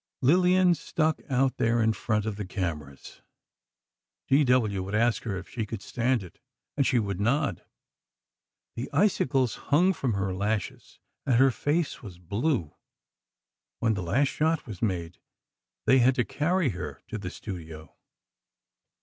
Lillian stuck out there in front of the cameras. D. W. would ask her if she could stand it, and she would nod. The icicles hung from her lashes, and her face was blue. When the last shot was made, they had to carry her to the studio.